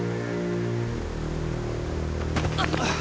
あっ！？